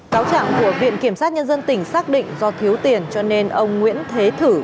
cáo trạng của viện kiểm sát nhân dân tỉnh xác định do thiếu tiền cho nên ông nguyễn thế thử